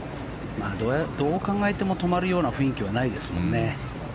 どう考えても止まるような雰囲気はないですもんね。